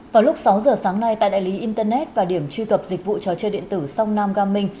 vào lúc sáu giờ sáng nay tại đại lý internet và điểm truy cập dịch vụ trò chơi điện tử sông nam gam minh